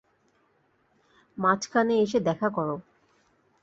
মাঝখানে এসে দেখা করো।